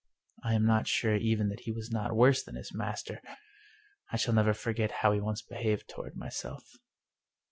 I am not sure even that he was not worse than his master. I shall never forget how he once behaved toward myself.